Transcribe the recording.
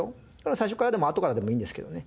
最初からでもあとからでもいいんですけどね。